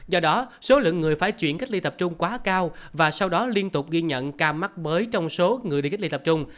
do đó số lượng người phải chuyển cách ly tập trung quá cao và sau đó liên tục ghi nhận ca mắc mới trong số người đi cách ly tập trung